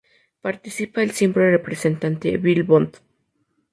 Participa el siempre presente Billy Bond.